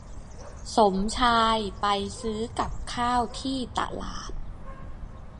สมชายไปซื้อกับข้าวที่ตลาด